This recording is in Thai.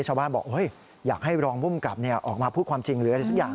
ทุกคนเขาไปเชื่อมโยงไงว่าอดีตสามีจะมีส่วนรู้ด้วยไหม